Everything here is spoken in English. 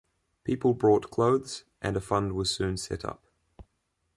People brought clothes, and a fund was soon set up.